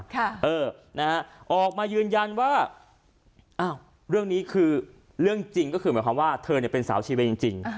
ค่ะเออนะฮะออกมายืนยันว่าอ้าวเรื่องนี้คือเรื่องจริงก็คือหมายความว่าเธอเนี่ยเป็นสาวชีเวนจริง